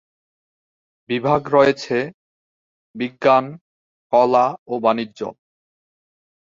বিভাগ রয়েছে: বিজ্ঞান, কলা ও বাণিজ্য।